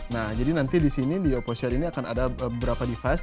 nah jadi nanti di sini di oppo share ini akan ada beberapa device